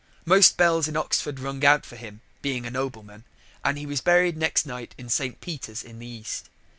Most bells in Oxford rung out for him, being a nobleman, and he was buried next night in St. Peter's in the East.